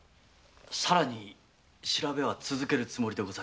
さらに調べは続けるつもりでござるが。